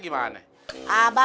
aku mau donk